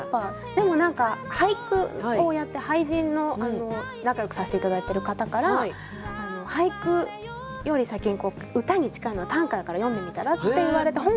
でも何か俳句をやって俳人の仲よくさせて頂いてる方から俳句より先に歌に近いのは短歌だから読んでみたら？って言われて本を。